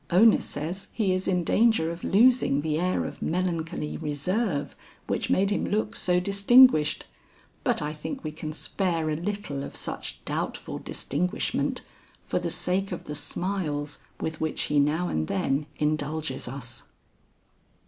Ona says he is in danger of losing the air of melancholy reserve which made him look so distinguished, but I think we can spare a little of such doubtful distinguishment for the sake of the smiles with which he now and then indulges us."